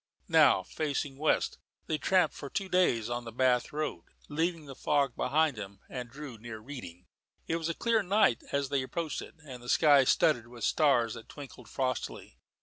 Now, facing west, they tramped for two days on the Bath road, leaving the fog behind them, and drew near Reading. It was a clear night as they approached it, and the sky studded with stars that twinkled frostily.